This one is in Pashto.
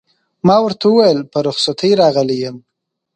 ما ورته وویل: په رخصتۍ راغلی یم.